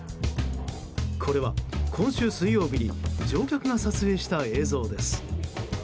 これは、今週水曜日に乗客が撮影した映像です。